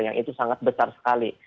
yang itu sangat besar sekali